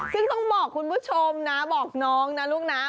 ซึ่งต้องบอกคุณผู้ชมนะบอกน้องนะลูกนะ